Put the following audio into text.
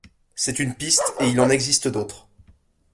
C’est une piste et il en existe d’autres.